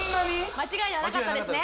間違いはなかったですね？